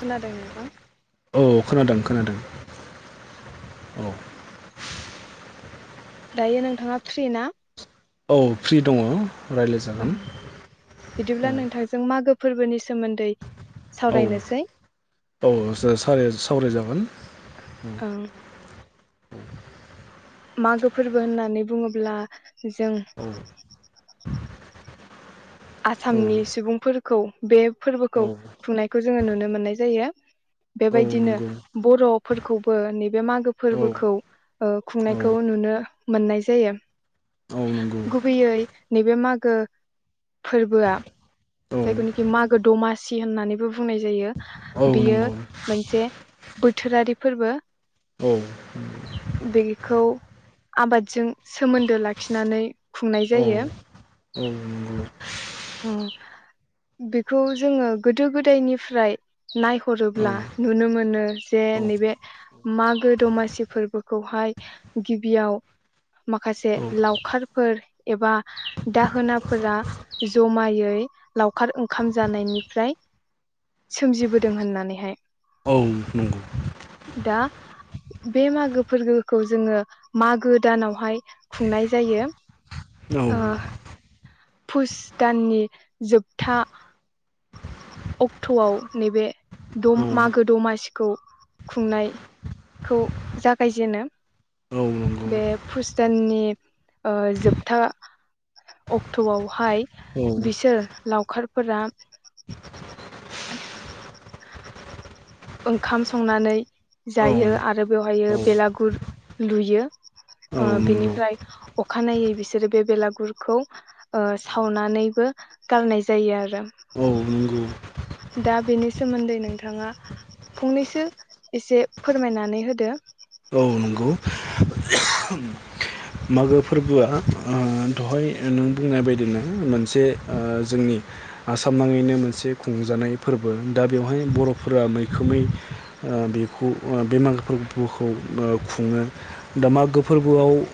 खोनादों नोंथां? औ खोनादों खोनादों औ। दायो नोंथाङा फ्रि ना? औ फ्रि दङ। रायज्लायजागोन ओम बिदिब्ला नोंथांजों मागो फोरबोनि सोमोन्दै औ सावरायनोसै औ सा-सावराय सावराय जागोन ओम। ओं मागो फोरबो होननानै बुङोब्ला जों औ आसामनि औ सुबुंफोर खौ बे फोरबोखौ औ खुंनायखौ जोङो नुनो मोननाय जायो। औ बेबायदिनो नंगौ बर'फोरखौबो नैबे मागो औ फोरबोखौ ओ औ खुंनायखौ नुनो मोननाय जायो। औ नंगौ गुबैयै नैबे मागो फोरबोआ औ जायखौनिखि मागो दमासि होननानैबो बुंनाय जायो। औ बेयो नंगौ मोनसे बोथोरारि फोरबो औ बेखौ आबादजों सोमोन्दो लाखिनानै खुंनाय औ जायो। नंगौ औ उम बेखौ जोङो गोदो गोदायनिफ्राय औ नायहरोब्ला नुनो मोनो जे औ नैबे मागो दमासि फोरबोखौहाय गिबियाव माखासे लावखारफोर एबा दाहोना फोरा ज'मायै लावखार ओंखाम जानायनिफ्राय सोमजिबोदों होननानैहाय। औ नंगौ दा बे मागो फोरबोखौ जोङो मागो दानावहाय खुंनाय जायो। औ ओ पुस दाननि जोबथा अक्ट'आव नैबे दम मागो औ दमासिखौ खुंनायखौ जागायजेनो। औ नंगौ बे फुस दाननि जोबथा अक्ट'आवहाय औ बिसोर लावखारफोरा [inaudible] ओंखाम संनानै जायो औ आरो बेवहायो औ बेलागुर लुयो ओ औ नंगौ औ बेनिफ्राय अखानायै बिसोरो बे बेलागुरखौ ओ सावनानैबो गारनाय जायो आरो। नंगौ दा बेनि सोमोन्दै नोंथाङा फंनैसो एसे फोरमायनानै होदो। औ नंगौ मागो फोरबोआ ओ दहाय नों बुंनाय बायदिनो मोनसे ओ जोंनि आसाम नाङैनो मोनसे खुंजानाय फोरबो। दा बेवहाय बर'फोरा मैखोमै ओ बेखौ ओ बे मागो फोरबोखौ ओ खुङो दा मागो फोरबोआव ओ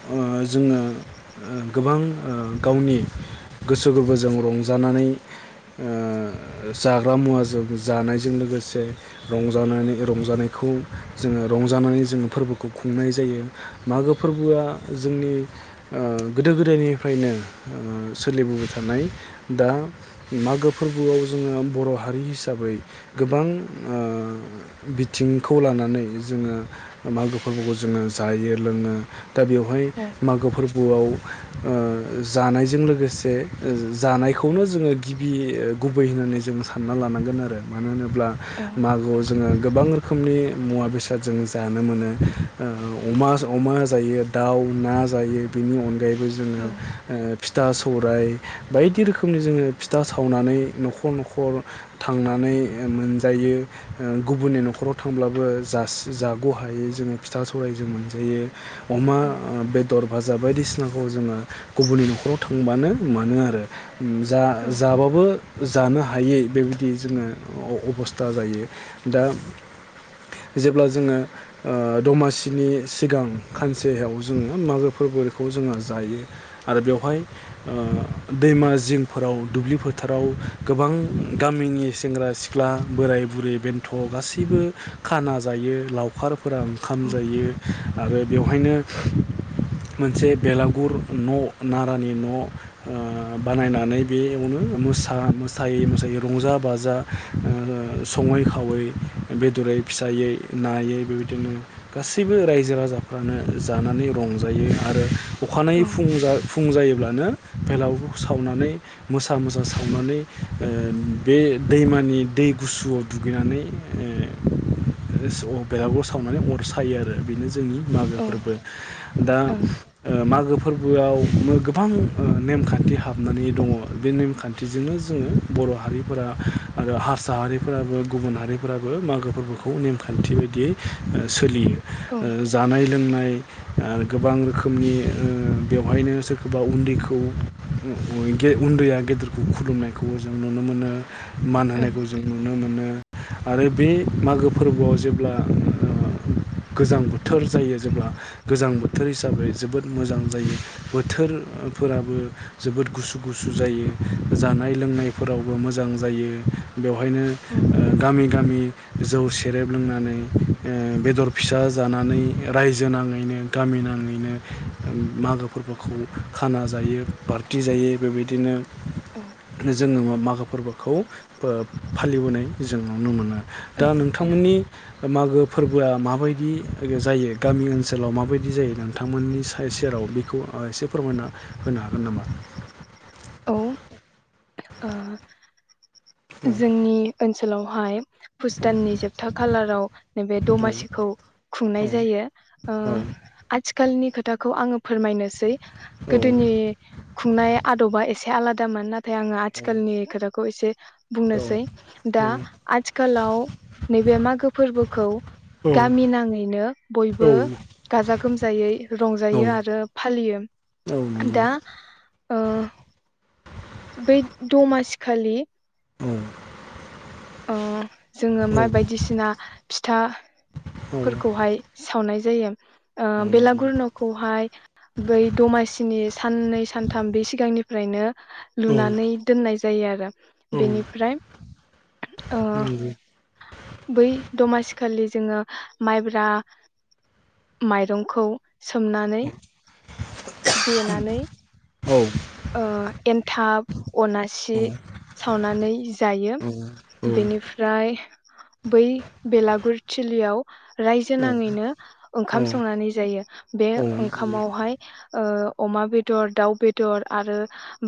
जोङो ओ गोबां ओ गावनि गोसो गोरबोजों रंजानानै ओ जाग्रा मुवाजों जानायजों लोगोसे रंजानानै रंजानायखौ जोङो रंजानानै जोङो फोरबोखौ खुंनाय जायो। मागो फोरबोआ जोंनि ओ गोदो गोदायनिफ्रायनो ओ सोलिबोबाय थानाय दा मागो फोरबोआव जोङो बर' हारि हिसाबै गोबां ओ बिथिंखौ लानानै जोङो मागो फोरबोखौ जोङो जायो लोङो दा बेव बेवहाय औ मागो फोरबो बोआव जानायजों लोगोसे जानायखौनो जोङो गिबि ओ गुबै होननानै जों सानना लानांगोन आरो मानो होनो ब्ला औ मागोआव जोङो गोबां रोखोमनि मुवा बेसाद जों जानो मोनो ओ अमा अमा जायो दाउ, ना जायो बेनि अनगायै बो जोङो ओ फिथा सौराइ बायदि रोखोमनि जोङो फिथा सावनानै न'खर न'खर थांनानै मोनजायो ओ गुबुननि न'खराव थांब्लाबो जासि जाग' हायै जोङो फिथा सौराइ जों मोनजायो। अमा औ बेदर फाज जा बायदिसिनाखौ जोङो गुबुननि न'खराव थांबानो मोनो आरो औ जा-जाबाबो जो जानो हायै बेबायदि जोङो अ-अबस्था जायो दा जेब्ला जोङो ओ दमासिनि सिगां खानसेयाव जोङो मागो फोरबोखौ जोङो जायो आरो बेवहाय ओ दैमा जिंफोराव दुब्लि फोथाराव गोबां गामिनि सेंग्रा सिख्ला, बोराइ बुरै बेन्थ गासैबो खाना जायो लावखार फोरा ओंखाम औ जायो आरो बेवहायनो मोनसे बेलागुर न नारानि न ओ बानायनानै बेयावनो मोसा मोसायै मोसायै रंजा बाजा ओ सङै खावै बेदरै फिसायै नायै बेबायदिनो गासैबो रायजो राजा फ्रानो जानानै रंजायो आरो औ अखानायै फुं जा फुं जायोब्लानो बेलागुरखौ सावनानै मोसा मोसा सावनानै ओ बे दैमानि दै गुसुआव दुगैनानै ओ [unintelligible] बेलागुर सावनानै अर सायो आरो बेनो जोंनि ओं मागोफोरबो दा ओ मागो फोरबोआव मो गोबां ओ नेमखान्थि हाबनानै दङ बे नेमखान्थिजोंनो जोङो बर हारिफोरा आरो हारसा हारिफोराबो गुबुन हारिफोराबो मागो फोरबोखौ नेमखान्थि बायदियै ओ सोलियो। औ जानाय लोंनाय ओ गोबां रोखोमनि ओ बेवहायनो सोरखौबा उन्दैखौ बय गे उन्दैया गेदेरखौ खुलुमनायखौ जों नुनो मोनो। मान औ होनायखौ जों नुनो मोनो। आरो बे मागो फोरबोआव जेब्ला ओ गोजां बो थोर जायो जेब्ला गोजां बोथोर हिसाबै जोबोद मोजां जायो बोथोर फोराबो जोबोद गुसु गुसु जायो जानाय लोंनायफोरावबो मोजां जायो। बेवहायनो ओ गामि गामि जौ सेरेब लोंनानै ओ बेदर फिसा [unintelligible] जानानै रायजो नाङैनो गामि नाङैनो ओ मागो फोरबोखौ खाना जायो पार्टि जायो बेबायदिनो [unintelligible] फोरबोखौ ओ फालिबोनाय जों नुनो मोनो। दा नोंथांमोननि मागो फोरबोआ माबायदि [unintelligible] जायो गामि ओनसोलाव माबायदि जायो नोंथांमोननि साय सेराव बेखौ ओ एसे फोरमायना होनो हागोन नामा? ओ औ जोंनि ओन सोलावहाय पुस औ दाननि जोबथा खालाराव नैबे दमासिखौ खुंनाय औ जायो ओ आथि खालनि खोथाखौ आङो फोरमायनोसै औ गोदोनि खुंनाय आदबा एस आलादामोन नाथाय आं [unintelligible] आथिखालनि खोथा खौ एसे बुंनोसै दा आथिखालाव नैबे मागो फोरबोखौ गामि नाङैनो औ बयबो गाजा गोमजायै औ रंजायो आरो फालियो औ नंगौ दा ओ बै दमासि खालि औ ओ जोङो औ मा बायदिसिना फिथा फोरखौहाय सावनाय [unintelligible] ओ बेलागुर नंगौ नखौहाय बै दमासिनि साननै सानथाम बे सिगांनिफ्रायनो औ लुनानै दोननाय जायो आरो औ बेनिफ्राय ओ नंगौ बै दमासि खालि जोङो माइब्रा माइरंखौ सोमनानै देनानै औ ओ एनथाब अनासि सावनानै जायो औ बेनिफ्राय बै बेलागुरथिलियाव रायजो नाङैनो ओंखाम औ संनानै जायो बे औ औ ओंखामावहाय ओ अमा बेदर दाउ बेदर आरो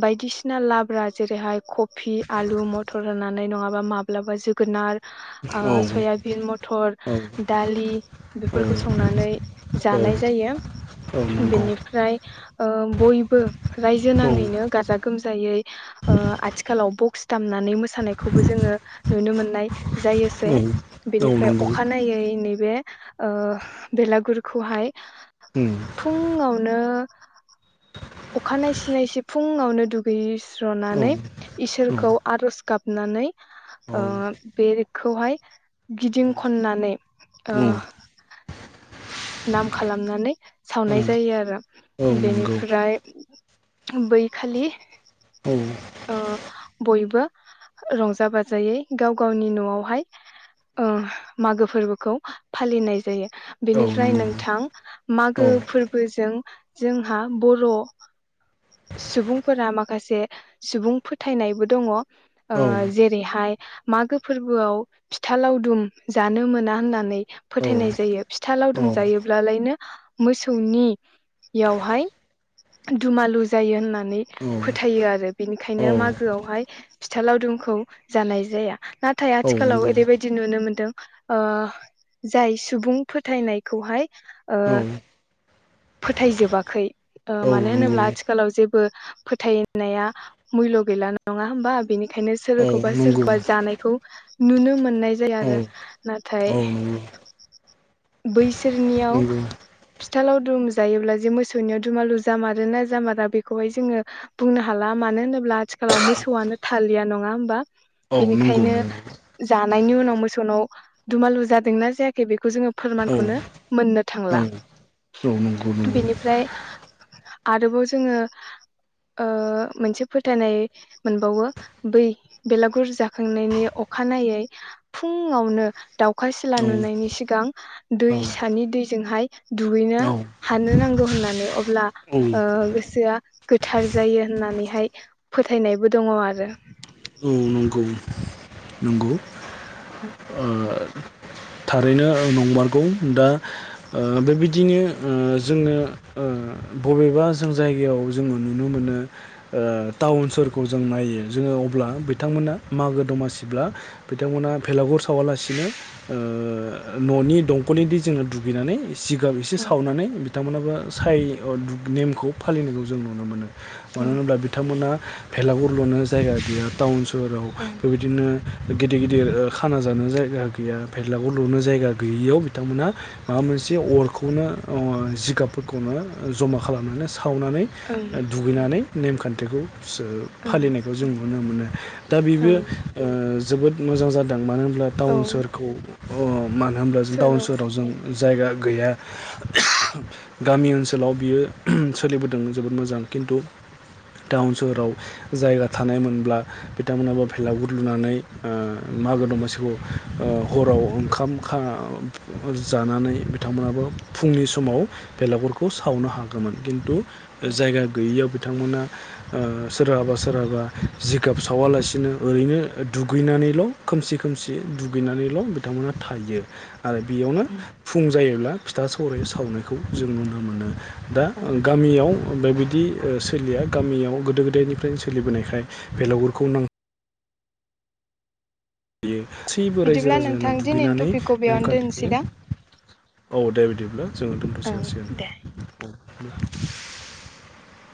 बायदिसिना लाब्रा जेरैहाय कफि आलु मथर होनानै नङा मा-माब्लाबा जोगोनार औ आ सयाबिन मथर दालि औ बेफोरखौ संनानै औ जानाय जायो औ नंगौ बेनिफ्राय ओ बयबो रायजो औ नाङैनो गाजा गोमजायै ओ आथिखालाव बक्स नानै मोसानायखौबो नुनो मोननाय जायोसै औ औ बिनिफ्राय नंगौ अखानायै नैबे ओ बेलागुरखौहाय उम फुंआवनो अखानायसि नायसि फुं फुङावनो दुगैयो औ स्रनानै औ इसोरखौ आरज गाब नानै ओ औ बे खौहाय गिदिं खननानै ओ उम नाम खालामनानै सावनाय उम जायो औ आरो नंगौ बेनिफ्राय बै खालि औ ओ बयबो रंजा बाजायै गाव-गावनि नआवहाय ओ मागो फोरबोखौ फालिनाय जायो औ बिनि फ्राय नंगौ नोंथां। औ मागो फोरबोजों जोंहा बर' सुबुंफोरा माखासे सुबुं फोथायनायबो दङ ओ औ जेरैहाय मागो फोरबोआव फिथा लावदुम जानो मोना होननानै फोथायनाय जायो फिथा औ लावदुम जायोब्लालायनो मोसौनि यावहाय दुमालु जायो होननानै फोथायो आरो बिनिखायनो मागोआवहाय फिथा लावदुमखौ जानाय जाया ना थाय औ आथिखालाव नंगौ ओरैबायदि नुनो मोन दों ओ जाय सुबुं फोथायनायखौहाय ओ औ फोथायजोबाखै ओ औ मानो नंगौ होनोब्ला थिखालाव जेबो फोथायनाया मुयल गैला नङा होमबा बिनि खायनो औ सोरखौबा नंगौ सोरखौबा जानायखौ नुनो मोननाय जाया आरो औ नाथाय औ नंगौ बैसोरनियाव नंगौ फिथा लावदुम जायोब्ला जे मोसौनियाव दुमालु जामारोना जामारा बेखौहाय जोङो बुंनो हाला मानो होनोब्ला आथिखालाव मोसौआनो थालिया नङा होमबा? औ नंगौ बिनिखायनो नंगौ जा नायनि उनाव मोसौनाव दुमालु जादोंना जायाखै बेखौ जोङो औ फोरमानखौनो मोननो थांला औ औ नंगौ नंगौ बेनिफ्राय आरोबाव जोङो ओ मोनसे फोथायनाय मोनबावो बै बेलागुर जाखांनायनि अखानायै फुंआवनो दाउखा सिला औ नुनायनि सिगां औ दैसानि दैजोंहाय दुगैनो हानो नांगौ होननानै अब्ला ओ सोआ गोथार जायो होननानैहाय फोथायनायबो दङ आरो। [unintelligible] नंगौ। [unintelligible] ओ थारैनो ओ नंमारगौ दा ओ बेबिदिनो ओ जोङो ओ बबेबा जों जायगायाव जों नुनो मोनो ओ टाउन सोरखौ जों नायो जोङो अब्ला बिथांमोना मागो दमासिब्ला बिथांमोना भेलागुर सावालासिनो ओ ननि दंकलनि दैजोंनो दुगैनानै जिगाब इसे औ सावनानै बि थां मोनाबो साय ओ दुग नेमखौ फालिनायखौ जों नुनो मोनो। मानो ओं होनब्ला बिथांमोना। भेलागुर लुनो जायगा गैया टाउन [unintelligible] बेबायदिनो गिदिर गिदिर ओ खाना जानो जायगा गैया। भेलागुर लुनो जायगा गैयियाव बिथांमोन माबा मोनसे अरखौनो ओ जिगाबफोरखौनो जमा खालामनानै सा खावनानै ओं दुगैनानै नेमखान्थिखौ। [unintelligible] ओं फालिनायखौ जों नुनो मोनो। दा बिबो ओं ओ जोबोद मोजां जादों मानो [unintelligible] औ टाउन सोहोर [inaudible] मानो होमब्ला जों टाउन सोराव सोहोराव जों जायगा गैया [unintelligible] गामि ओनसोलाव बियो [unintelligible] सोलिबोदों जोबोद मोजां किन्तु टाउन सोहोराव जायगा थानायमोनब्ला बिथांमोनाबो भेलागुर लुनानै ओ मागो दमासिखौ ओ हराव ओंखाम खा जानानै बिथांमोनाबो फुंनि समाव बेलागुरखौ सावनो हागोमोन किन्तु औ जायगा गैयैयाव थां मोना ओ सोरहाबा सोरहाबा जिगाब सावालासिनो ओरैनो दुगैनानैल खोमसि खोमसि दु गैनानैल बिथांमोना थायो। आरो बेयावनो ओं फुं जायोब्ला फिथा सौराइ सावनायखौ जों नुनो मोनो। दा ओं गामियाव। बेबायदि सोलिया गामियाव गोदो गोदायनिफ्रायनो सोलिबोनायखाय बेलागुरखौ नां [unintelligible] सैबो रायजो बिदिब्ला राजानो नोंथां दिनैनि दुगैनानै टपिकखौ बेयावनो दोनसै नेमखान्थिखौ दां औ दे बिदिब्ला। जों दोनथ ओं दे [unintelligible] ओं [inaudible]